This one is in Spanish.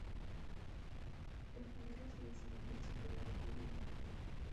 Tras la guerra se desarrolló el sector agrícola de la región.